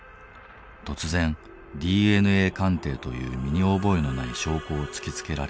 突然「ＤＮＡ鑑定」という身に覚えのない証拠を突きつけられ逮捕。